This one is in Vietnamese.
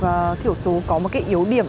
phụ nữ dân tộc thiểu số có một yếu điểm